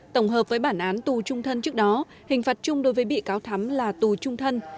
tổng hợp với bản án tù trung thân trước đó hình phạt chung đối với bị cáo thắm là tù trung thân